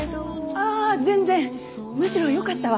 あぁ全然むしろよかったわ。